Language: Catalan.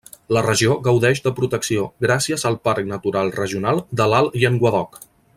La regió gaudeix de protecció gràcies al Parc natural regional de l'Alt Llenguadoc.